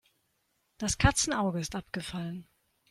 Das Katzenauge ist abgefallen.